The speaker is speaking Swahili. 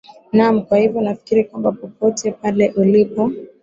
naam kwa hivyo nafikiri kwamba popote pale ulipo